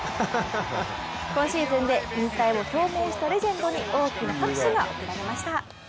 今シーズンで引退を表明したレジェンドに多くの拍手が送られました。